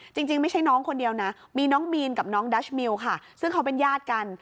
จริงไม่ใช่น้องคนเดียวนะมีน้องมีนกับน้องดัชมิวค่ะซึ่งเขาเป็นญาติกัน